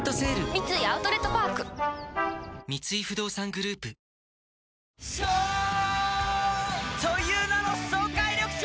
三井アウトレットパーク三井不動産グループ颯という名の爽快緑茶！